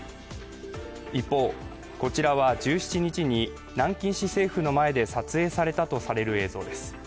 一方、こちらは１７日に南京市政府の前で撮影されたとされる映像です。